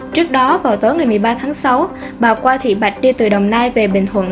trước đó vào tối ngày một mươi ba tháng sáu bà qua thị bạch đi từ đồng nai về bình thuận